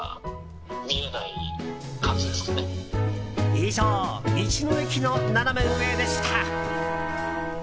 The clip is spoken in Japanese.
以上、道の駅のナナメ上でした。